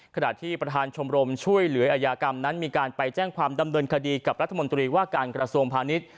ขณะที่ประธานชมรมช่วยเหลืออายากรรมนั้นมีการไปแจ้งความดำเนินคดีกับรัฐมนตรีว่าการกระทรวงพาณิชย์